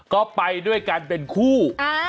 ก็ไปด้วยกันเป็นคู่